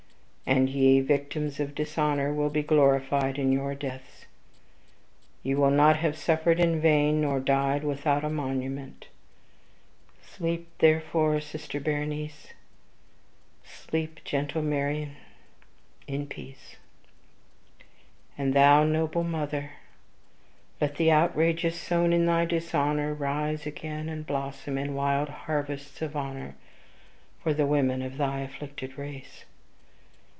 And ye, victims of dishonor, will be glorified in your deaths; ye will not have suffered in vain, nor died without a monument. Sleep, therefore, sister Berenice sleep, gentle Mariamne, in peace. And thou, noble mother, let the outrages sown in thy dishonor, rise again and blossom in wide harvests of honor for the women of thy afflicted race.